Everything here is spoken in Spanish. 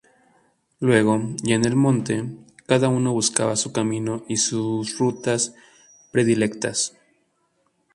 Luego, ya en el monte, cada uno buscaba su camino y sus rutas predilectas.